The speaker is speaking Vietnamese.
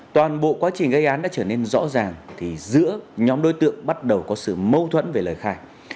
toàn bộ quá trình gây án đã trở nên rõ ràng thì giữa nhóm đối tượng bắt đầu có sự mâu thuẫn về lời khai